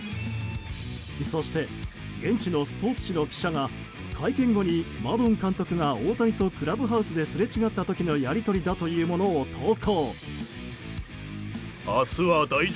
そして現地のスポーツ誌の記者が会見後にマドン監督が大谷とクラブハウスですれ違った時のやり取りだというものを投稿。